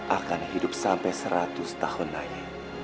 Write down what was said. akan hidup sampai seratus tahun lagi